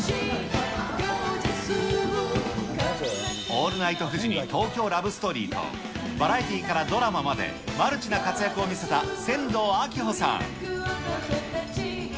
オールナイトフジに東京ラブストーリーと、バラエティーからドラマまでマルチな活躍を見せた、千堂あきほさん。